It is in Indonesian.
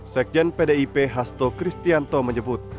sekjen pdip hasto kristianto menyebut